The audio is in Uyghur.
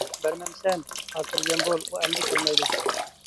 -بەرمەمسەن، خاتىرجەم بول ئۇ ئەمدى كەلمەيدۇ.